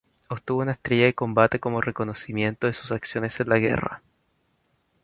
Obtuvo una estrella de combate como reconocimiento de sus acciones en la guerra.